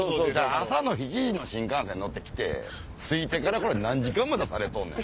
朝７時の新幹線に乗って来て着いてから何時間待たされとんねん！